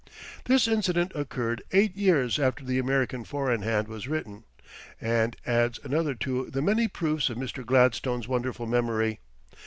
This incident occurred eight years after the "American Four in Hand" was written, and adds another to the many proofs of Mr. Gladstone's wonderful memory.